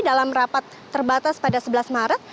dalam rapat terbatas pada sebelas maret